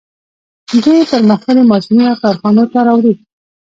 دوی پرمختللي ماشینونه کارخانو ته راوړي